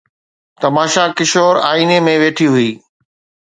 تماشا ڪشور آئيني ۾ ويٺي هئي